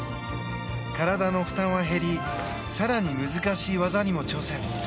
体の負担は減り更に難しい技にも挑戦。